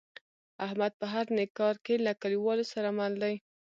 احمد په هر نیک کار کې له کلیوالو سره مل دی.